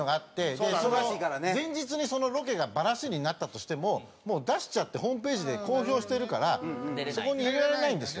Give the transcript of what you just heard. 前日にそのロケがバラシになったとしてももう出しちゃってホームページで公表してるからそこに入れられないんですよ。